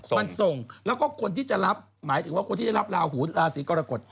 มันส่งแล้วก็คนที่จะรับหมายถึงว่าคนที่ได้รับลาหูราศีกรกฎ